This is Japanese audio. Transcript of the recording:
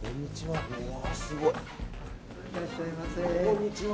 こんにちは。